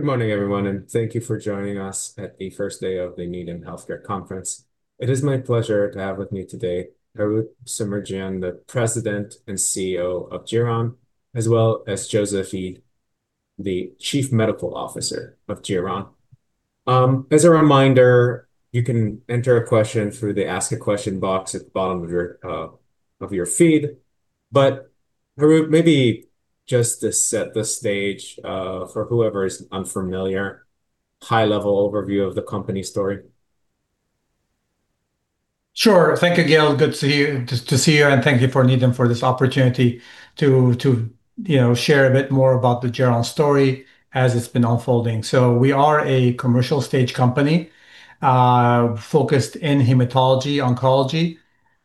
Good morning, everyone. Thank you for joining us at the first day of the Needham Healthcare Conference. It is my pleasure to have with me today Harout Semerjian, the President and CEO of Geron, as well as Joseph Eid, the Chief Medical Officer of Geron. As a reminder, you can enter a question through the Ask a Question box at the bottom of your feed. Harout, maybe just to set the stage for whoever is unfamiliar, high-level overview of the company story. Sure. Thank you, Gil. Good to see you, and thank you for Needham for this opportunity to share a bit more about the Geron story as it's been unfolding. We are a commercial-stage company focused in hematology-oncology.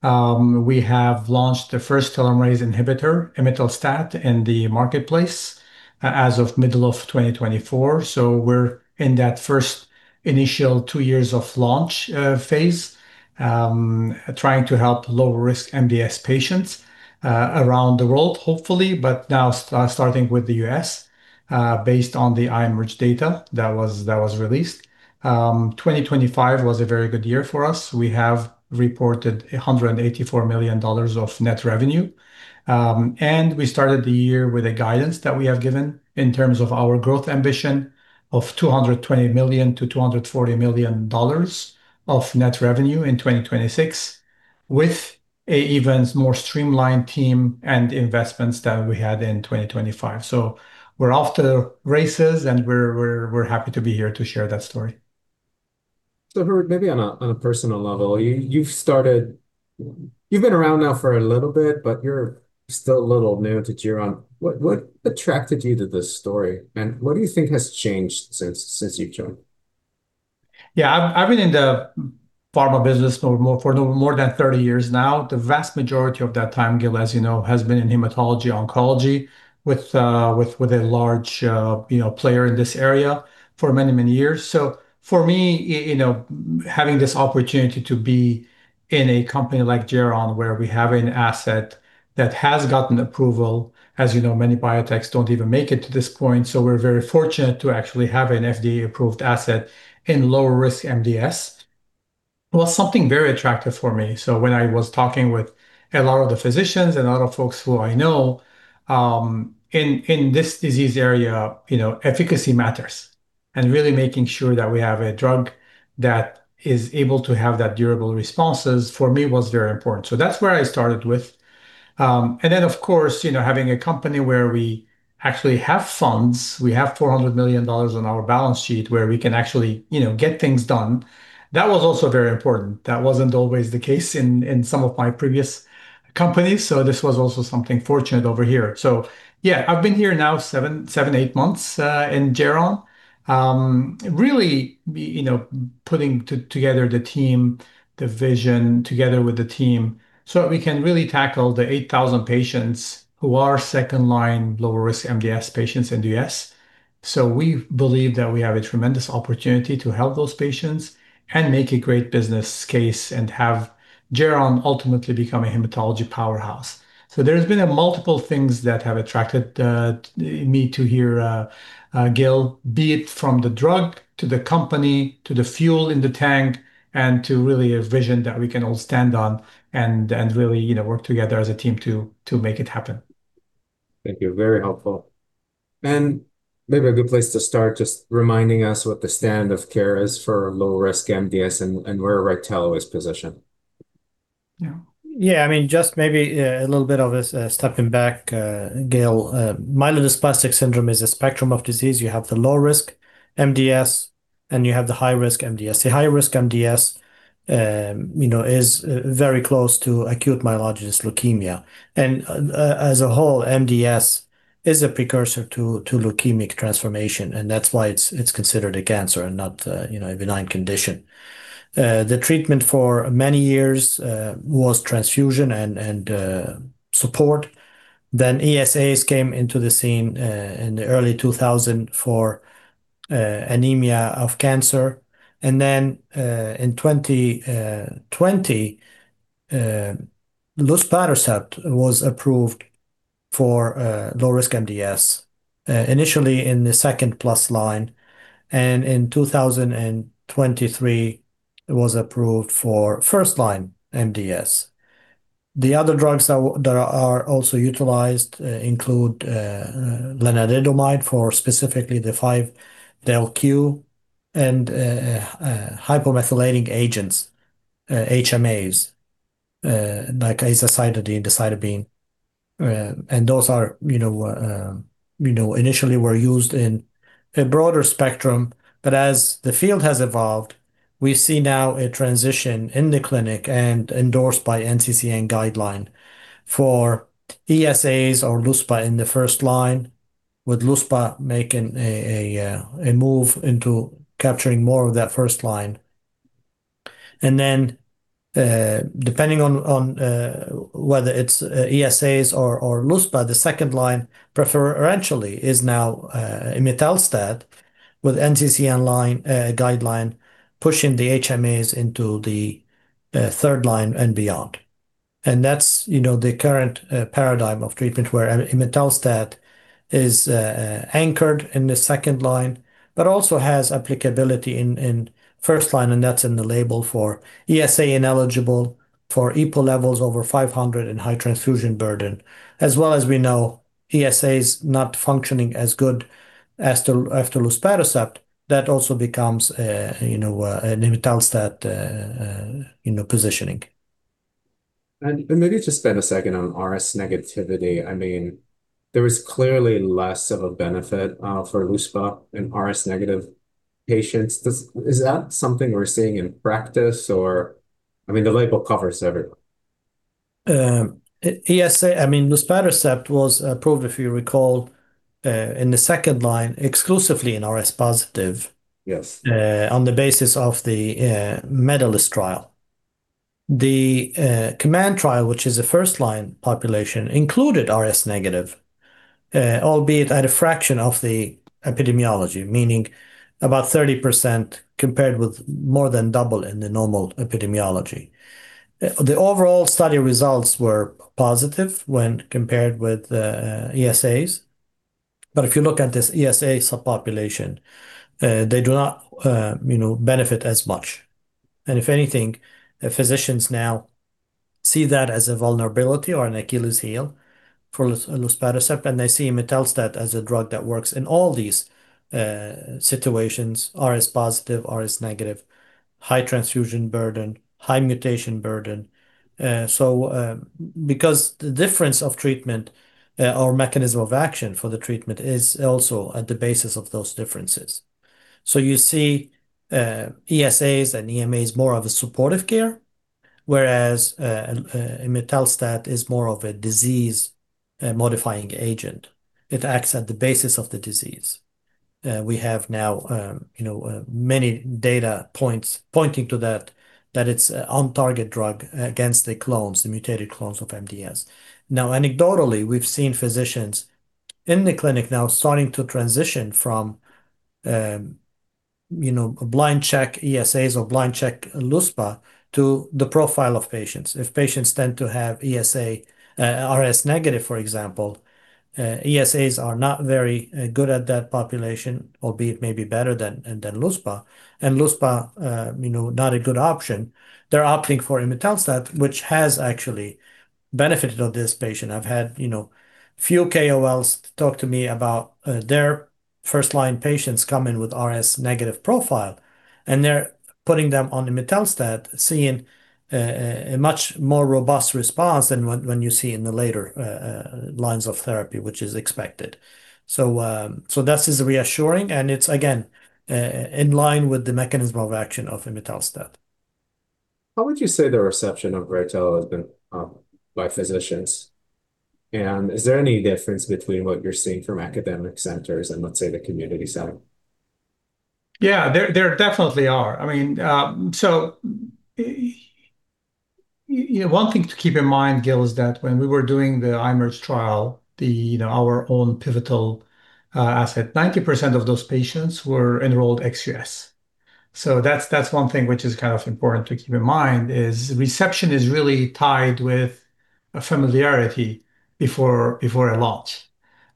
We have launched the first telomerase inhibitor, imetelstat, in the marketplace as of middle of 2024. We're in that first initial two years of launch phase, trying to help low-risk MDS patients around the world, hopefully, but now starting with the U.S. based on the IMerge data that was released. 2025 was a very good year for us. We have reported $184 million of net revenue. We started the year with a guidance that we have given in terms of our growth ambition of $220 million-$240 million of net revenue in 2026, with a even more streamlined team and investments that we had in 2025. We're off to the races, and we're happy to be here to share that story. Harout, maybe on a personal level, you've been around now for a little bit, but you're still a little new to Geron. What attracted you to this story, and what do you think has changed since you joined? Yeah. I've been in the pharma business for more than 30 years now. The vast majority of that time, Gil, as you know, has been in hematology oncology with a large player in this area for many, many years. For me, having this opportunity to be in a company like Geron, where we have an asset that has gotten approval, as you know, many biotechs don't even make it to this point, so we're very fortunate to actually have an FDA-approved asset in lower-risk MDS, was something very attractive for me. When I was talking with a lot of the physicians and a lot of folks who I know, in this disease area efficacy matters. Really making sure that we have a drug that is able to have that durable responses for me was very important. That's where I started with. Of course, having a company where we actually have funds, we have $400 million on our balance sheet where we can actually get things done. That was also very important. That wasn't always the case in some of my previous companies, so this was also something fortunate over here. I've been here now seven, eight months in Geron, really putting together the team, the vision together with the team, so that we can really tackle the 8,000 patients who are second-line lower-risk MDS patients in the U.S. We believe that we have a tremendous opportunity to help those patients and make a great business case and have Geron ultimately become a hematology powerhouse. There's been multiple things that have attracted me to here, Gil. Be it from the drug to the company, to the fuel in the tank, and to really a vision that we can all stand on and really work together as a team to make it happen. Thank you. Very helpful. Maybe a good place to start, just reminding us what the standard of care is for low-risk MDS and where RYTELO is positioned. Yeah. Just maybe a little bit of a stepping back, Gil. Myelodysplastic syndrome is a spectrum of disease. You have the low-risk MDS, and you have the high-risk MDS. The high-risk MDS is very close to acute myelogenous leukemia. As a whole, MDS is a precursor to leukemic transformation, and that's why it's considered a cancer and not a benign condition. The treatment for many years was transfusion and support. ESAs came into the scene in the early 2000 for anemia of cancer. In 2020, luspatercept was approved for low-risk MDS, initially in the second-plus line, and in 2023, it was approved for first-line MDS. The other drugs that are also utilized include lenalidomide for specifically the 5q deletion and hypomethylating agents, HMAs, like azacitidine, decitabine. Those initially were used in a broader spectrum, but as the field has evolved, we see now a transition in the clinic and endorsed by NCCN guideline for ESAs or luspatercept in the first line, with luspatercept making a move into capturing more of that first line. Depending on whether it's ESAs or luspatercept, the second line preferentially is now imetelstat, with NCCN guideline pushing the HMAs into the third line and beyond. That's the current paradigm of treatment where imetelstat is anchored in the second line, but also has applicability in first line, and that's in the label for ESA-ineligible, for EPO levels over 500 and high transfusion burden. As well as we know, ESAs not functioning as good as the luspatercept, that also becomes an imetelstat positioning. Maybe just spend a second on RS negativity. There is clearly less of a benefit for luspatercept in RS negative patients. Is that something we're seeing in practice? I mean, the label covers everyone. Imetelstat was approved, if you recall, in the second line, exclusively in RS positive on the basis of the MEDALIST trial. The COMMANDS trial, which is a first-line population, included RS negative, albeit at a fraction of the epidemiology, meaning about 30% compared with more than double in the normal epidemiology. The overall study results were positive when compared with ESAs, but if you look at this ESA subpopulation, they do not benefit as much. If anything, physicians now see that as a vulnerability or an Achilles heel for luspatercept, and they see imetelstat as a drug that works in all these situations, RS positive, RS negative, high transfusion burden, high mutation burden. Because the difference of treatment or mechanism of action for the treatment is also at the basis of those differences. You see ESAs and EMAs more of a supportive care, whereas imetelstat is more of a disease modifying agent. It acts at the basis of the disease. We have now many data points pointing to that it's on-target drug against the clones, the mutated clones of MDS. Now, anecdotally, we've seen physicians in the clinic now starting to transition from a blind check ESAs or blind check luspatercept to the profile of patients. If patients tend to have RS negative, for example, ESAs are not very good at that population, albeit maybe better than luspatercept, and luspatercept not a good option. They're opting for imetelstat, which has actually benefited this patient. I've had few KOLs talk to me about their first-line patients come in with RS negative profile, and they're putting them on imetelstat, seeing a much more robust response than what when you see in the later lines of therapy, which is expected. That is reassuring, and it's again, in line with the mechanism of action of imetelstat. How would you say the reception of RYTELO has been by physicians, and is there any difference between what you're seeing from academic centers and, let's say, the community setting? Yeah, there definitely are. One thing to keep in mind, Gil, is that when we were doing the IMerge trial, our own pivotal asset, 90% of those patients were enrolled ex-U.S. That's one thing which is kind of important to keep in mind is reception is really tied with a familiarity before a lot,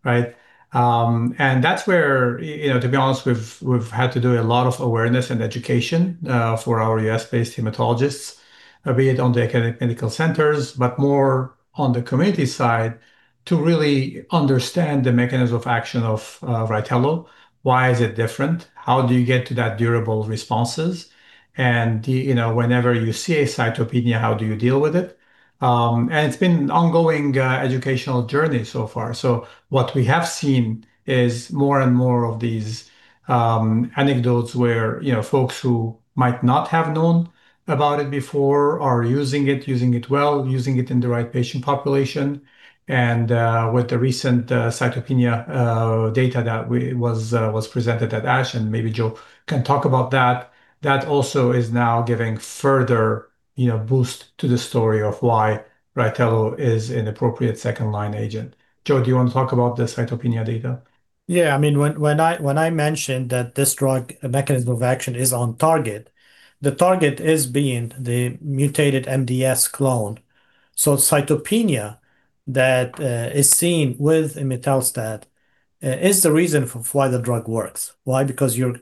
right? That's where, to be honest, we've had to do a lot of awareness and education for our U.S.-based hematologists, be it on the academic medical centers, but more on the community side to really understand the mechanism of action of RYTELO. Why is it different? How do you get to that durable responses? Whenever you see a cytopenia, how do you deal with it? It's been an ongoing educational journey so far. What we have seen is more and more of these anecdotes where folks who might not have known about it before are using it, using it well, using it in the right patient population. With the recent cytopenia data that was presented at ASH, and maybe Jo can talk about that also is now giving further boost to the story of why RYTELO is an appropriate second-line agent. Joseph, do you want to talk about the cytopenia data? Yeah. When I mentioned that this drug mechanism of action is on target, the target is being the mutated MDS clone. Cytopenia that is seen with imetelstat is the reason for why the drug works. Why? Because you're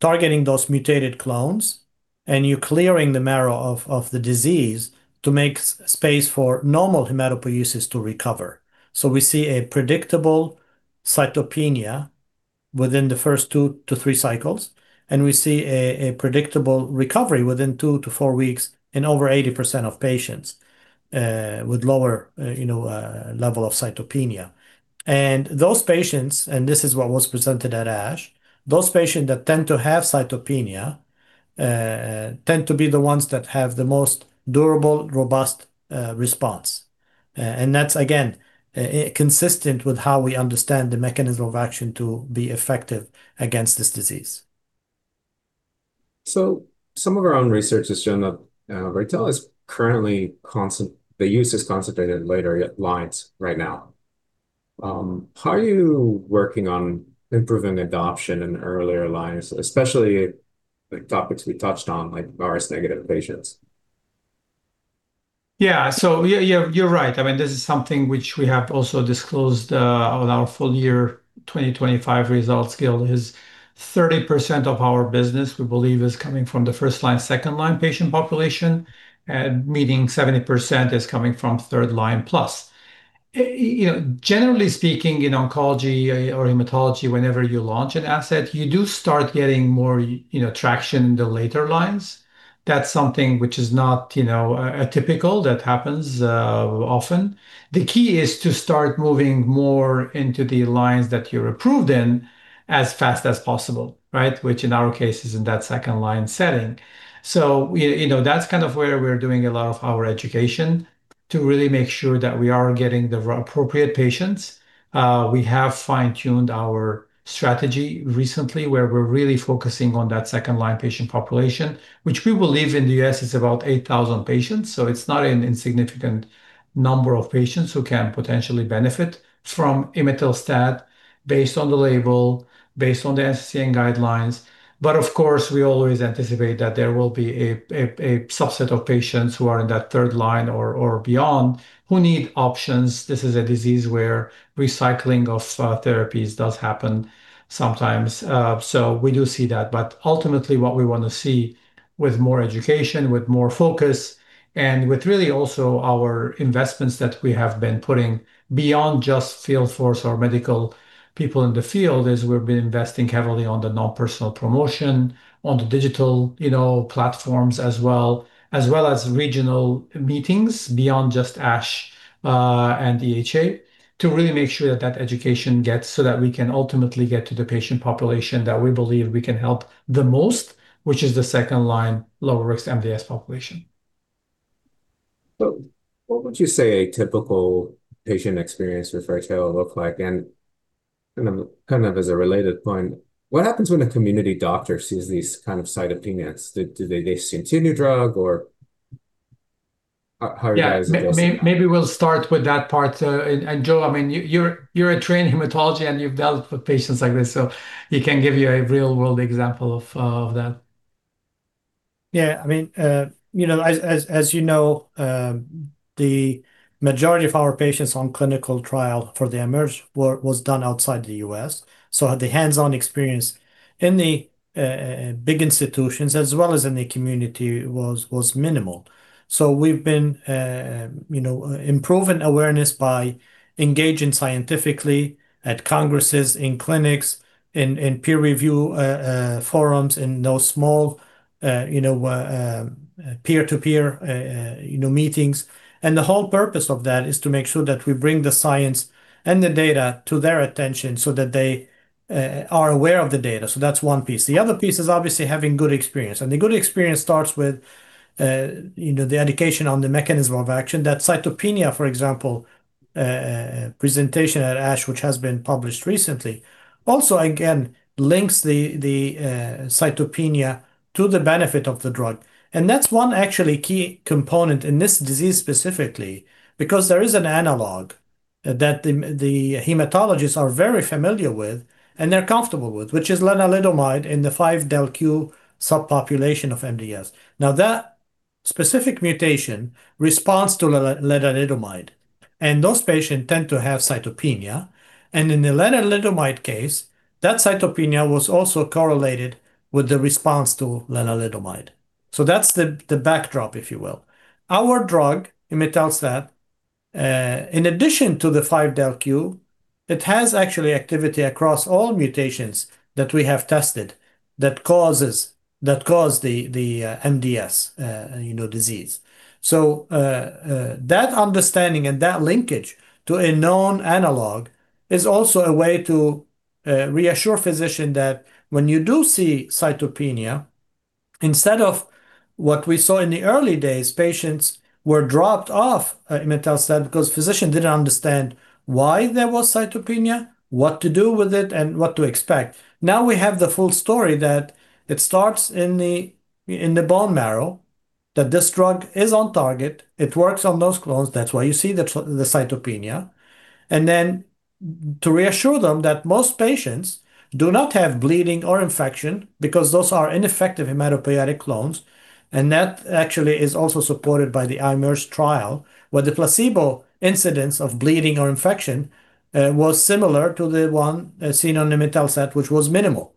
targeting those mutated clones, and you're clearing the marrow of the disease to make space for normal hematopoiesis to recover. We see a predictable cytopenia within the first two to three cycles, and we see a predictable recovery within two to four weeks in over 80% of patients with lower level of cytopenia. Those patients, and this is what was presented at ASH, those patients that tend to have cytopenia tend to be the ones that have the most durable, robust response. That's, again, consistent with how we understand the mechanism of action to be effective against this disease. Some of our own research has shown that RYTELO, the use is concentrated later lines right now. How are you working on improving adoption in earlier lines, especially the topics we touched on, like RS negative patients? Yeah. You're right. This is something which we have also disclosed on our full year 2025 results, Gil, is 30% of our business, we believe, is coming from the first-line, second-line patient population, meaning 70% is coming from third-line plus. Generally speaking, in oncology or hematology, whenever you launch an asset, you do start getting more traction in the later lines. That's something which is not atypical. That happens often. The key is to start moving more into the lines that you're approved in as fast as possible, which in our case is in that second-line setting. That's kind of where we're doing a lot of our education to really make sure that we are getting the appropriate patients. We have fine-tuned our strategy recently, where we're really focusing on that second-line patient population, which we believe in the U.S. is about 8,000 patients. It's not an insignificant number of patients who can potentially benefit from imetelstat based on the label, based on the NCCN guidelines. Of course, we always anticipate that there will be a subset of patients who are in that third line or beyond who need options. This is a disease where recycling of therapies does happen sometimes. We do see that. Ultimately, what we want to see with more education, with more focus, and with really also our investments that we have been putting beyond just field force or medical people in the field, is we've been investing heavily on the non-personal promotion, on the digital platforms as well, as well as regional meetings beyond just ASH and EHA, to really make sure that education gets so that we can ultimately get to the patient population that we believe we can help the most, which is the second-line lower-risk MDS population. What would you say a typical patient experience with RYTELO look like? Kind of as a related point, what happens when a community doctor sees these kind of cytopenias? Do they discontinue drug or how are you guys addressing that? Maybe we'll start with that part. Joseph, you're a trained hematologist, and you've dealt with patients like this, so he can give you a real-world example of that. Yeah. As you know, the majority of our patients on clinical trial for the IMerge work was done outside the U.S., so the hands-on experience in the big institutions as well as in the community was minimal. We've been improving awareness by engaging scientifically at congresses, in clinics, in peer review forums, in those small peer-to-peer meetings. The whole purpose of that is to make sure that we bring the science and the data to their attention so that they are aware of the data. That's one piece. The other piece is obviously having good experience. The good experience starts with the education on the mechanism of action. That cytopenia, for example, presentation at ASH, which has been published recently, also again links the cytopenia to the benefit of the drug. That's one actually key component in this disease specifically, because there is an analog that the hematologists are very familiar with and they're comfortable with, which is lenalidomide in the 5q deletion subpopulation of MDS. Now, that specific mutation responds to lenalidomide, and those patients tend to have cytopenia. In the lenalidomide case, that cytopenia was also correlated with the response to lenalidomide. That's the backdrop, if you will. Our drug, imetelstat, in addition to the 5q deletion, it has actually activity across all mutations that we have tested that cause the MDS disease. That understanding and that linkage to a known analog is also a way to reassure physician that when you do see cytopenia, instead of what we saw in the early days, patients were dropped off imetelstat because physicians didn't understand why there was cytopenia, what to do with it, and what to expect. Now we have the full story that it starts in the bone marrow, that this drug is on target. It works on those clones. That's why you see the cytopenia. To reassure them that most patients do not have bleeding or infection, because those are ineffective hematopoietic clones, and that actually is also supported by the IMerge trial, where the placebo incidence of bleeding or infection was similar to the one seen on imetelstat, which was minimal.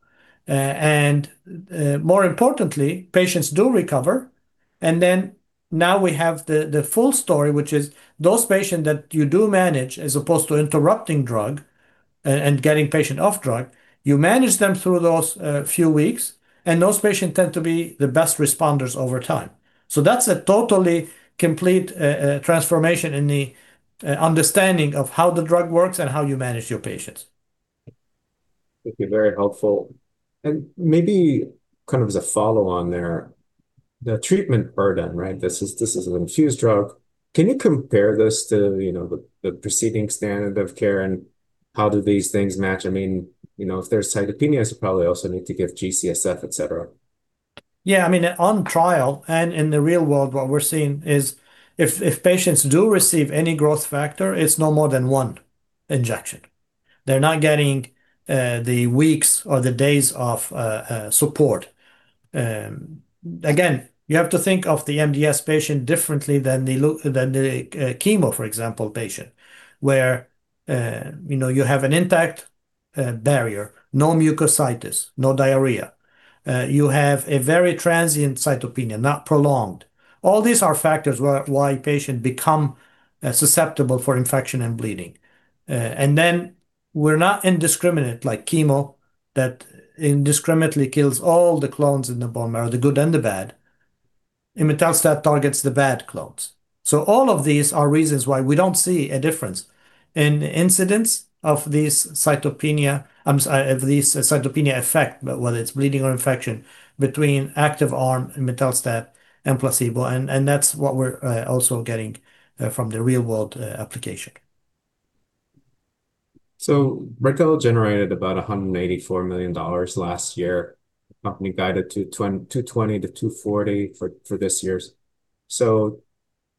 More importantly, patients do recover. Now we have the full story, which is those patients that you do manage, as opposed to interrupting drug and getting patient off drug, you manage them through those few weeks, and those patients tend to be the best responders over time. That's a totally complete transformation in the understanding of how the drug works and how you manage your patients. Thank you. Very helpful. Maybe kind of as a follow on there, the treatment burden, right? This is an infused drug. Can you compare this to the preceding standard of care, and how do these things match? If there's cytopenias, you probably also need to give GCSF, et cetera. Yeah, on trial and in the real world, what we're seeing is if patients do receive any growth factor, it's no more than one injection. They're not getting the weeks or the days of support. Again, you have to think of the MDS patient differently than the chemo, for example, patient, where you have an intact barrier, no mucositis, no diarrhea. You have a very transient cytopenia, not prolonged. All these are factors why patient become susceptible for infection and bleeding. We're not indiscriminate like chemo, that indiscriminately kills all the clones in the bone marrow, the good and the bad. Imetelstat targets the bad clones. All of these are reasons why we don't see a difference in incidence of this cytopenia effect, but whether it's bleeding or infection between active arm imetelstat and placebo. That's what we're also getting from the real-world application. RYTELO generated about $184 million last year. Company guided to $220 million-$240 million for this year's, so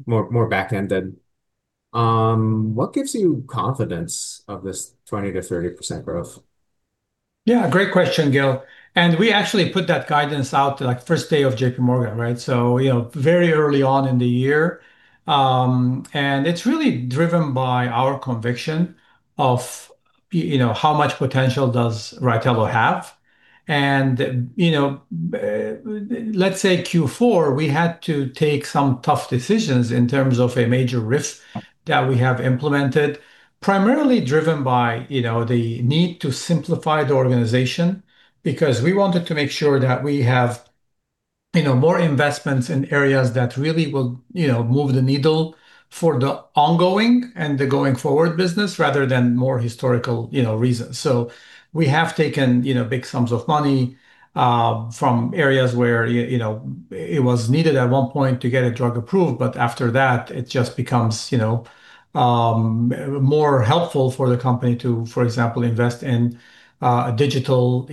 more back-ended. What gives you confidence of this 20%-30% growth? Yeah, great question, Gil, and we actually put that guidance out first day of J.P. Morgan, right, very early on in the year. It's really driven by our conviction of how much potential does RYTELO have. Let's say Q4, we had to take some tough decisions in terms of a major RIF that we have implemented, primarily driven by the need to simplify the organization, because we wanted to make sure that we have more investments in areas that really will move the needle for the ongoing and the going-forward business rather than more historical reasons. We have taken big sums of money from areas where it was needed at one point to get a drug approved, but after that, it just becomes more helpful for the company to, for example, invest in digital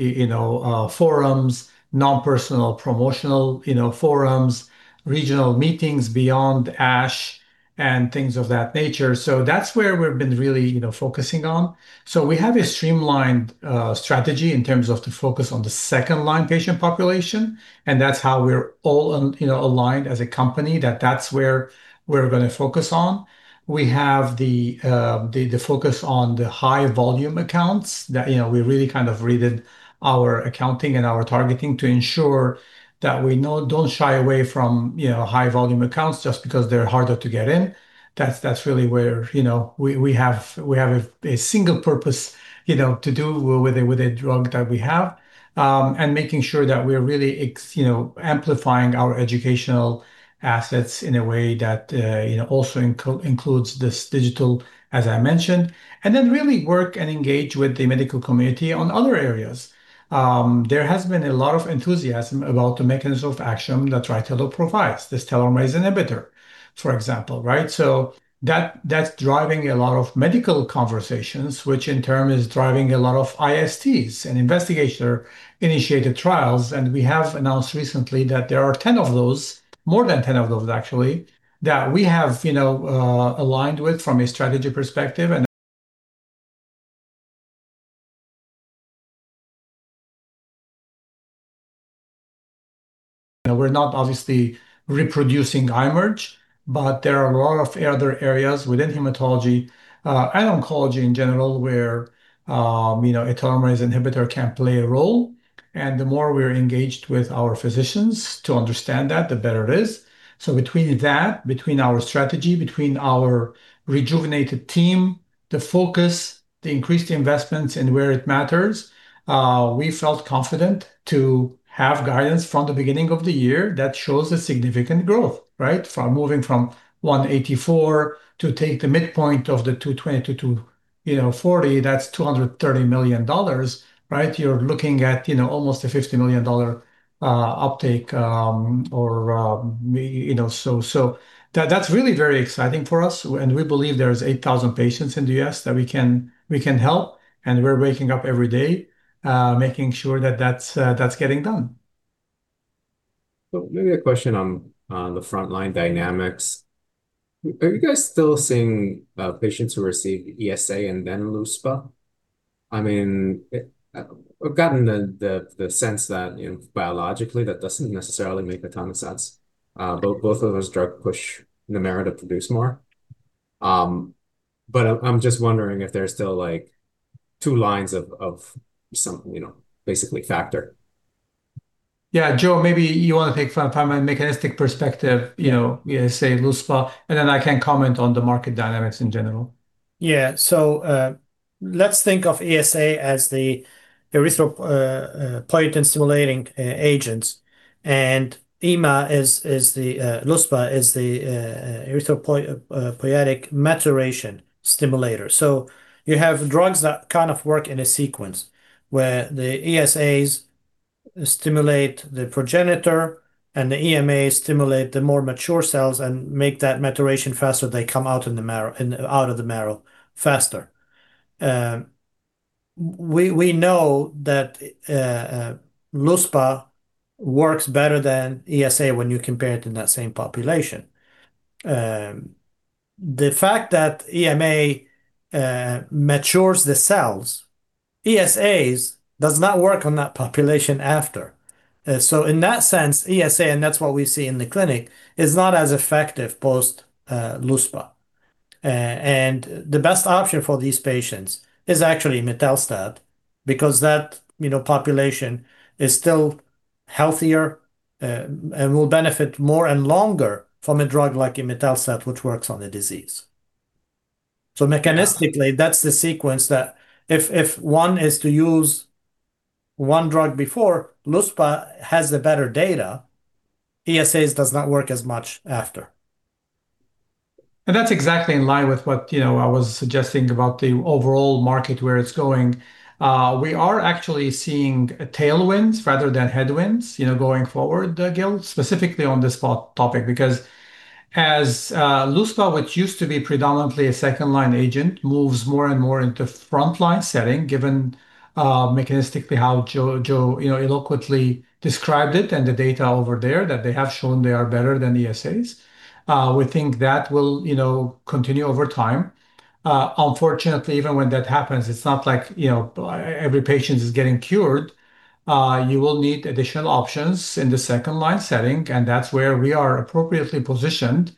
forums, non-personal promotional forums, regional meetings beyond ASH, and things of that nature. That's where we've been really focusing on. We have a streamlined strategy in terms of the focus on the second-line patient population, and that's how we're all aligned as a company, that that's where we're going to focus on. We have the focus on the high-volume accounts that we really kind of redid our accounting and our targeting to ensure that we don't shy away from high-volume accounts just because they're harder to get in. That's really where we have a single purpose to do with a drug that we have, and making sure that we're really amplifying our educational assets in a way that also includes this digital, as I mentioned, and then really work and engage with the medical community on other areas. There has been a lot of enthusiasm about the mechanism of action that RYTELO provides, this telomerase inhibitor, for example, right? That's driving a lot of medical conversations, which in turn is driving a lot of ISTs and investigator-initiated trials. We have announced recently that there are 10 of those, more than 10 of those actually, that we have aligned with from a strategy perspective. We're not obviously reproducing IMerge, but there are a lot of other areas within hematology and oncology in general where a telomerase inhibitor can play a role. And the more we're engaged with our physicians to understand that, the better it is. So between that, between our strategy, between our rejuvenated team, the focus, the increased investments in where it matters, we felt confident to have guidance from the beginning of the year that shows a significant growth, right? From moving from $184 million to take the midpoint of the $220 million-$240 million, that's $230 million, right? You're looking at almost a $50 million uptake. So that's really very exciting for us, and we believe there is 8,000 patients in the U.S. that we can help, and we're waking up every day making sure that that's getting done. Maybe a question on the frontline dynamics. Are you guys still seeing patients who receive ESA and then luspatercept? I've gotten the sense that biologically that doesn't necessarily make a ton of sense. Both of those drugs push the marrow to produce more. I'm just wondering if there's still two lines of some basically factor. Yeah, Joseph, maybe you want to take from a mechanistic perspective, say, luspatercept, and then I can comment on the market dynamics in general. Yeah. Let's think of ESA as the erythropoietin-stimulating agents, and EMA, luspatercept, is the erythroid maturation agent. You have drugs that kind of work in a sequence, where the ESAs stimulate the progenitor, and the EMAs stimulate the more mature cells and make that maturation faster. They come out of the marrow faster. We know that luspatercept works better than ESA when you compare it in that same population. The fact that EMA matures the cells, ESAs does not work on that population after. In that sense, ESA, and that's what we see in the clinic, is not as effective post-luspatercept. The best option for these patients is actually imetelstat because that population is still healthier, and will benefit more and longer from a drug like imetelstat, which works on the disease. Mechanistically, that's the sequence, that if one is to use one drug before, luspatercept has the better data. ESAs does not work as much after. That's exactly in line with what I was suggesting about the overall market, where it's going. We are actually seeing tailwinds rather than headwinds going forward, Gil, specifically on this topic because as luspatercept, which used to be predominantly a second-line agent, moves more and more into frontline setting, given mechanistically how Joseph eloquently described it and the data over there, that they have shown they are better than ESAs, we think that will continue over time. Unfortunately, even when that happens, it's not like every patient is getting cured. You will need additional options in the second-line setting, and that's where we are appropriately positioned,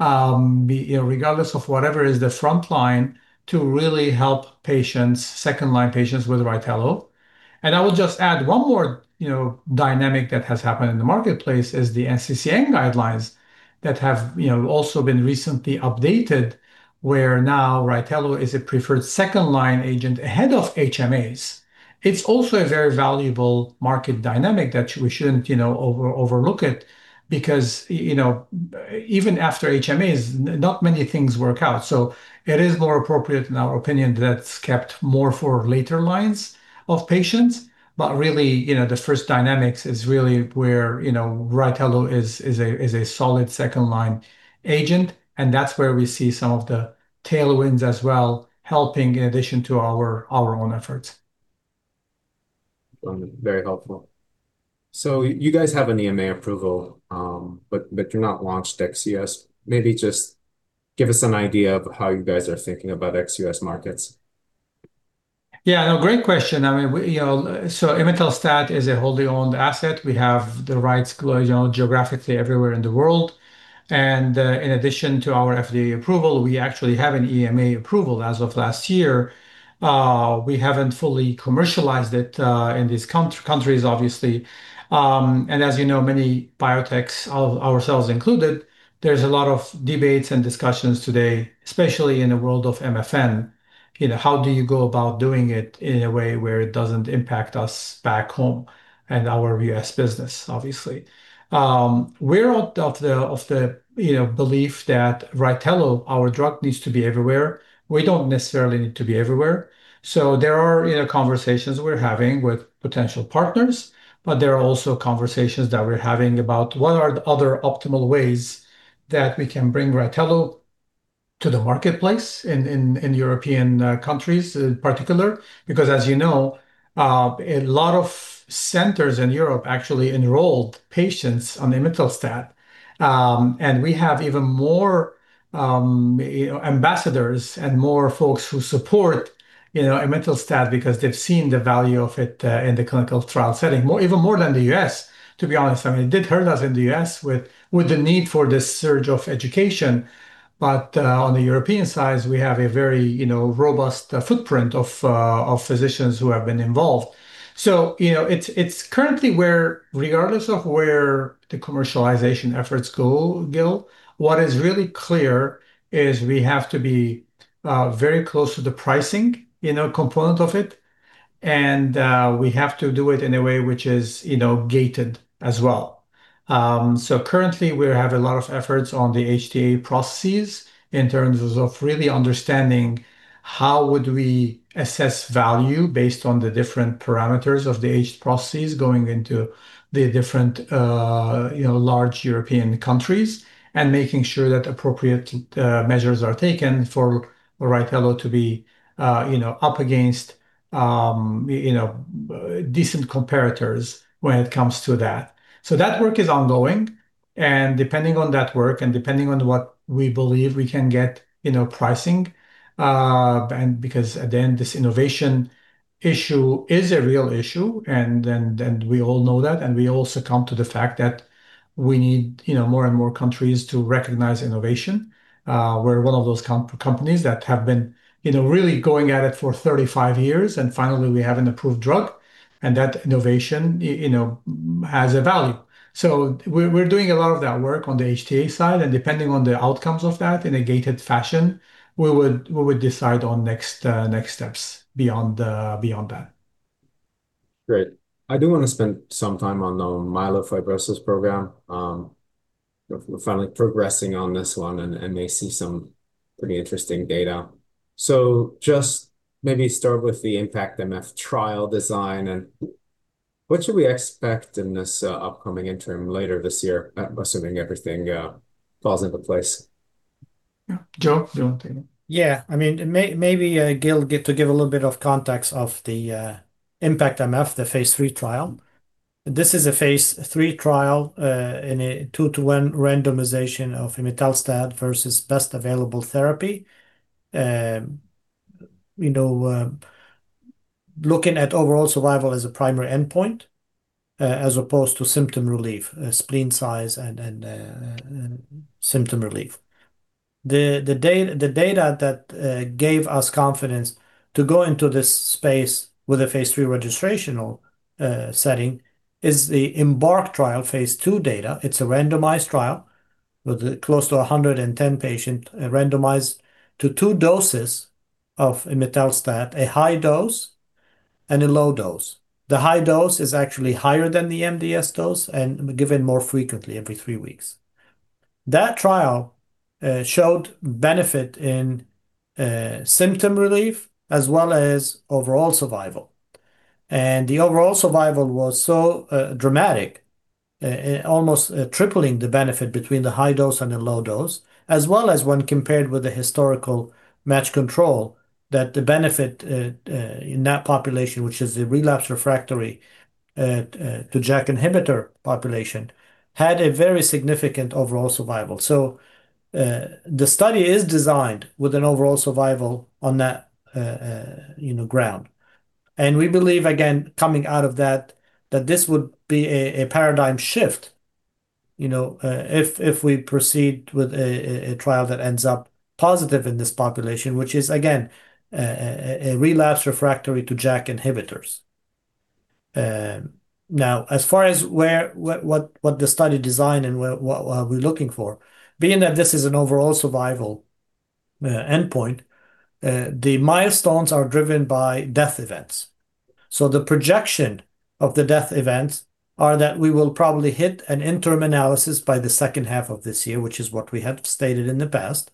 regardless of whatever is the frontline to really help second-line patients with RYTELO. I will just add one more dynamic that has happened in the marketplace is the NCCN guidelines that have also been recently updated, where now RYTELO is a preferred second-line agent ahead of HMAs. It's also a very valuable market dynamic that we shouldn't overlook because even after HMAs, not many things work out. It is more appropriate, in our opinion, that's kept more for later lines of patients. Really the first dynamics is really where RYTELO is a solid second-line agent, and that's where we see some of the tailwinds as well, helping in addition to our own efforts. Wonderful, very helpful. You guys have an EMA approval, but you're not launched ex-U.S. Maybe just give us an idea of how you guys are thinking about ex-U.S. markets. Yeah, no, great question. Imetelstat is a wholly owned asset. We have the rights geographically everywhere in the world. In addition to our FDA approval, we actually have an EMA approval as of last year. We haven't fully commercialized it in these countries, obviously. As you know, many biotechs, ourselves included, there's a lot of debates and discussions today, especially in the world of MFN. How do you go about doing it in a way where it doesn't impact us back home and our U.S. business, obviously? We're of the belief that RYTELO, our drug, needs to be everywhere. We don't necessarily need to be everywhere. There are conversations we're having with potential partners, but there are also conversations that we're having about what are the other optimal ways that we can bring RYTELO to the marketplace in European countries in particular. Because as you know, a lot of centers in Europe actually enrolled patients on imetelstat, and we have even more ambassadors and more folks who support imetelstat because they've seen the value of it in the clinical trial setting, even more than the U.S., to be honest. It did hurt us in the U.S. with the need for this surge of education, but on the European side, we have a very robust footprint of physicians who have been involved. It's currently where, regardless of where the commercialization efforts go, Gil, what is really clear is we have to be very close to the pricing component of it, and we have to do it in a way which is gated as well. So currently, we have a lot of efforts on the HTA processes in terms of really understanding how would we assess value based on the different parameters of the HT processes going into the different large European countries, and making sure that appropriate measures are taken for RYTELO to be up against decent comparators when it comes to that. So that work is ongoing, and depending on that work and depending on what we believe we can get in our pricing, and because at the end, this innovation issue is a real issue, and we all know that, and we all succumb to the fact that we need more and more countries to recognize innovation. We're one of those companies that have been really going at it for 35 years, and finally we have an approved drug, and that innovation has a value. We're doing a lot of that work on the HTA side, and depending on the outcomes of that in a gated fashion, we would decide on next steps beyond that. Great. I do want to spend some time on the myelofibrosis program. We're finally progressing on this one and may see some pretty interesting data. Just maybe start with the IMpactMF trial design, and what should we expect in this upcoming interim later this year, assuming everything falls into place? Yeah, Joseph, do you want to take it? Yeah. Maybe, Gil, to give a little bit of context of the IMpactMF, the phase III trial. This is a phase III trial in a 2:1 randomization of imetelstat versus best available therapy, looking at overall survival as a primary endpoint, as opposed to symptom relief, spleen size and symptom relief. The data that gave us confidence to go into this space with a phase III registrational setting is the EMBARK trial phase II data. It's a randomized trial with close to 110 patients randomized to two doses of imetelstat, a high dose and a low dose. The high dose is actually higher than the MDS dose and given more frequently, every three weeks. That trial showed benefit in symptom relief as well as overall survival. The overall survival was so dramatic, almost tripling the benefit between the high dose and the low dose, as well as when compared with the historical matched control, that the benefit in that population, which is the relapsed refractory to JAK inhibitor population, had a very significant overall survival. The study is designed with an overall survival on that ground. We believe, again, coming out of that this would be a paradigm shift, if we proceed with a trial that ends up positive in this population, which is, again, a relapsed refractory to JAK inhibitors. Now, as far as what the study design and what we're looking for, being that this is an overall survival endpoint, the milestones are driven by death events. The projection of the death events are that we will probably hit an interim analysis by the second half of this year, which is what we have stated in the past.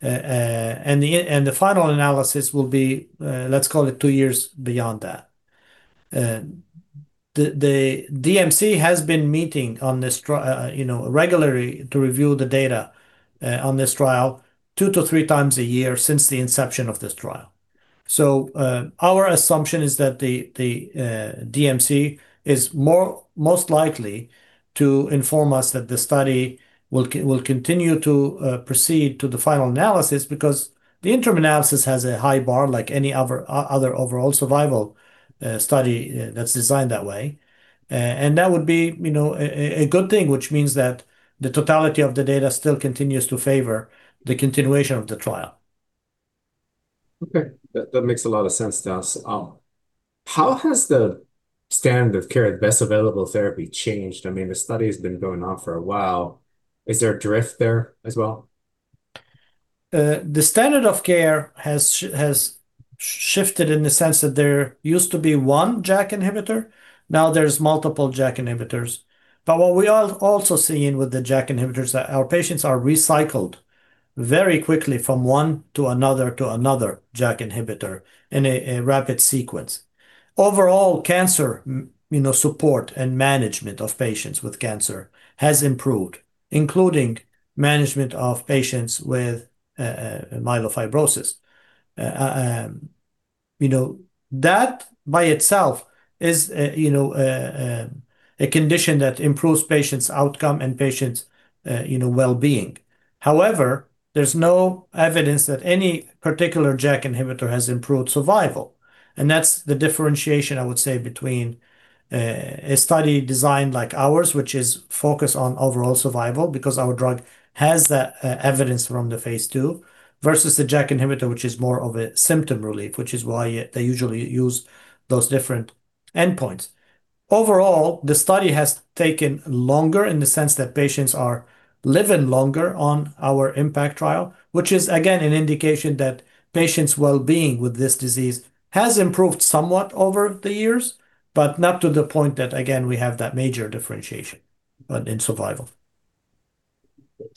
The final analysis will be, let's call it two years beyond that. The DMC has been meeting on this regularly to review the data on this trial 2x to 3x a year since the inception of this trial. Our assumption is that the DMC is most likely to inform us that the study will continue to proceed to the final analysis, because the interim analysis has a high bar like any other overall survival study that's designed that way. That would be a good thing, which means that the totality of the data still continues to favor the continuation of the trial. Okay. That makes a lot of sense to us. How has the standard of care at best available therapy changed? The study has been going on for a while. Is there a drift there as well? The standard of care has shifted in the sense that there used to be one JAK inhibitor. Now there's multiple JAK inhibitors. What we are also seeing with the JAK inhibitors, that our patients are recycled very quickly from one to another to another JAK inhibitor in a rapid sequence. Overall cancer support and management of patients with cancer has improved, including management of patients with myelofibrosis. That by itself is a condition that improves patients' outcome and patients' well-being. However, there's no evidence that any particular JAK inhibitor has improved survival. That's the differentiation, I would say, between a study designed like ours, which is focused on overall survival because our drug has that evidence from the phase II, versus the JAK inhibitor, which is more of a symptom relief, which is why they usually use those different endpoints. Overall, the study has taken longer in the sense that patients are living longer on our IMpactMF trial, which is, again, an indication that patients' well-being with this disease has improved somewhat over the years, but not to the point that, again, we have that major differentiation in survival.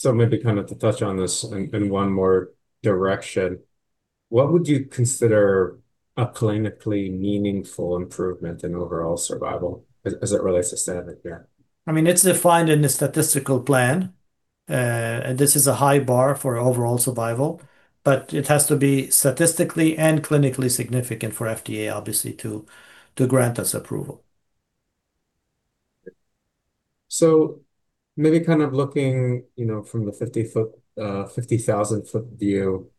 Maybe to touch on this in one more direction, what would you consider a clinically meaningful improvement in overall survival as it relates to standard of care? It's defined in the statistical plan, and this is a high bar for overall survival, but it has to be statistically and clinically significant for FDA, obviously, to grant us approval. Maybe looking from the 50,000-foot view,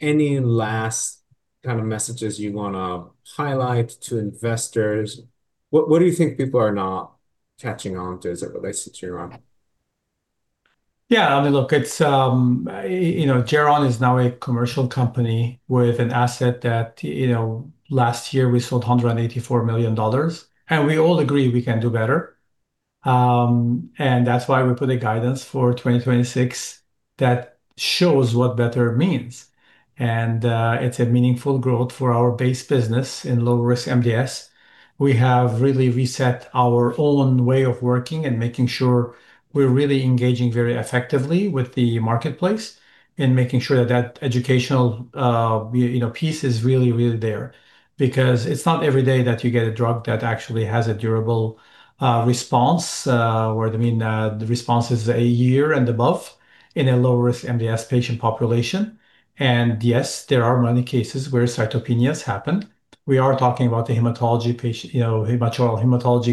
any last messages you want to highlight to investors? What do you think people are not catching on to as it relates to Geron? Yeah. Look, Geron is now a commercial company with an asset that last year we sold $184 million. We all agree we can do better, and that's why we put a guidance for 2026 that shows what better means. It's a meaningful growth for our base business in low-risk MDS. We have really reset our own way of working and making sure we're really engaging very effectively with the marketplace. In making sure that educational piece is really there because it's not every day that you get a drug that actually has a durable response, where the response is a year and above in a low-risk MDS patient population. Yes, there are many cases where cytopenias happen. We are talking about the hematology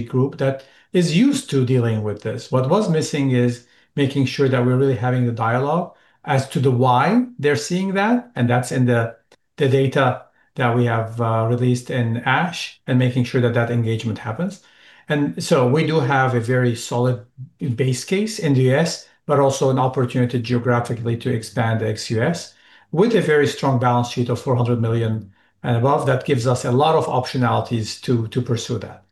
group that is used to dealing with this. What was missing is making sure that we're really having the dialogue as to the why they're seeing that, and that's in the data that we have released in ASH, and making sure that that engagement happens. We do have a very solid base case in the U.S., but also an opportunity geographically to expand ex-U.S. with a very strong balance sheet of $400 million and above. That gives us a lot of optionalities to pursue that.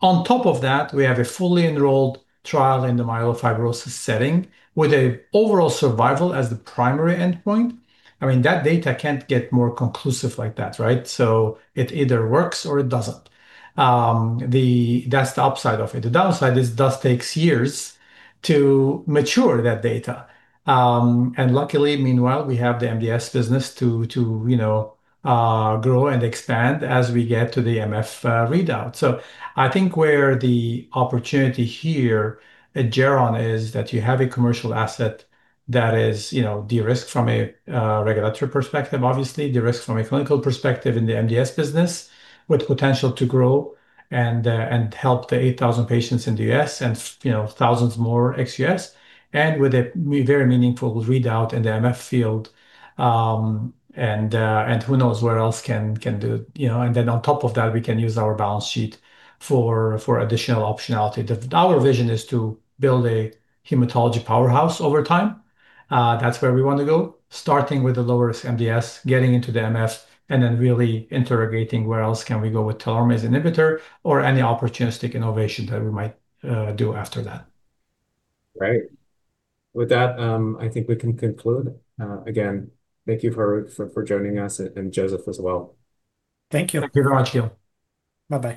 On top of that, we have a fully enrolled trial in the myelofibrosis setting with an overall survival as the primary endpoint. That data can't get more conclusive like that, right? It either works or it doesn't. That's the upside of it. The downside is it does takes years to mature that data. Luckily, meanwhile, we have the MDS business to grow and expand as we get to the MF readout. I think where the opportunity here at Geron is that you have a commercial asset that is de-risked from a regulatory perspective, obviously, de-risked from a clinical perspective in the MDS business, with potential to grow and help the 8,000 patients in the U.S. and thousands more ex-U.S., with a very meaningful readout in the MF field, and who knows where else can do. On top of that, we can use our balance sheet for additional optionality. Our vision is to build a hematology powerhouse over time. That's where we want to go, starting with the low-risk MDS, getting into the MF, and then really interrogating where else can we go with telomerase inhibitor or any opportunistic innovation that we might do after that. Right. With that, I think we can conclude. Again, thank you, Harout Semerjian, for joining us, and Joseph as well. Thank you. Thank you very much, Gil. Bye-bye.